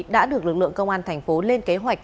đã được lực lượng công an thành phố lên kế hoạch